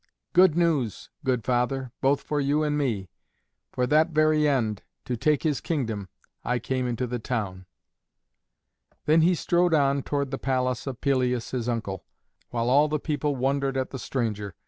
"Good news, good father, both for you and me. For that very end, to take his kingdom, I came into the town." Then he strode on toward the palace of Pelias his uncle, while all the people wondered at the stranger.